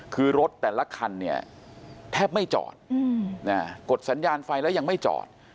คือรถแต่ละคันเนี่ยแทบไม่จอดกดสัญญาณไฟแล้วยังไม่จอด